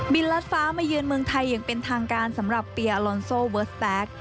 ลัดฟ้ามาเยือนเมืองไทยอย่างเป็นทางการสำหรับเปียอลอนโซเวิร์สแต๊ก